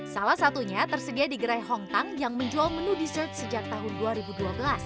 salah satunya tersedia di gerai hongtang yang menjual menu dessert sejak tahun dua ribu dua belas